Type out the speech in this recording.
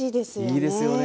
いいですよね